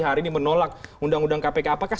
hari ini menolak undang undang kpk apakah